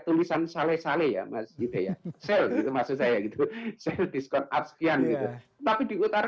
tulisan sale sale ya mas yuda ya sell itu maksud saya gitu sell diskon up sekian gitu tapi di utara